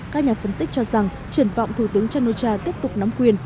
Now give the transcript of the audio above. các nhà phân tích cho rằng triển vọng thủ tướng chan o cha tiếp tục nắm quyền